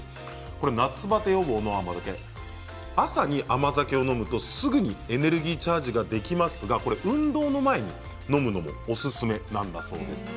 夏バテ予防朝に甘酒を飲むとすぐにエネルギーチャージができますが、運動の前に飲むのもおすすめなんだそうです。